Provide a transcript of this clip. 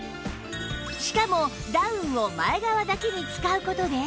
しかもダウンを前側だけに使う事で